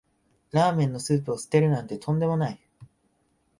ラーメンのスープを捨てるなんてとんでもない